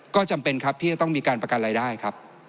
ก็จำเป็นครับที่จะต้องมีการประกันรายได้ครับ